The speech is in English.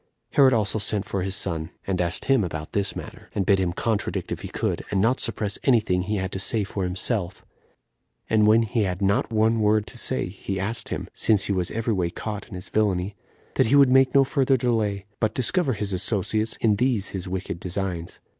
Herod also sent for his son, and asked him about this matter, and bid him contradict if he could, and not suppress any thing he had to say for himself; and when he had not one word to say, he asked him, since he was every way caught in his villainy, that he would make no further delay, but discover his associates in these his wicked designs.